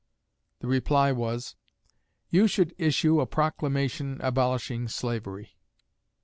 The reply was, "You should issue a proclamation abolishing slavery."